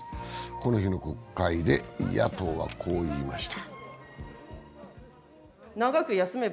この日の国会で、野党はこう言いました。